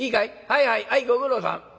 はいはいはいご苦労さん。